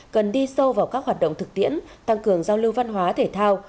cần đi sâu vào các hoạt động thực tiễn tăng cường giao lưu văn hóa thể thao